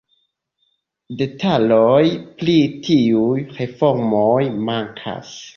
Detaloj pri tiuj reformoj mankas.